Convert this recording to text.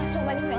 rasul mbak nifas